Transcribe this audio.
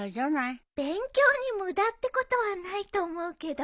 勉強に無駄ってことはないと思うけど。